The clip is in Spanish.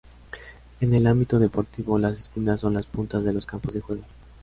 En el ámbito deportivo, las esquinas son las puntas de los campos de juego.